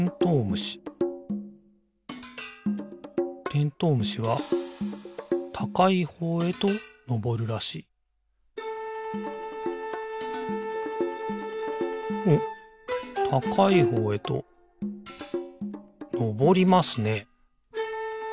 虫てんとう虫はたかいほうへとのぼるらしいおったかいほうへとのぼりますね。